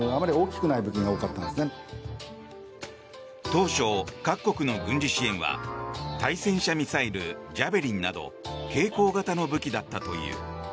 当初、各国の軍事支援は対戦車ミサイル、ジャベリンなど携行型の武器だったという。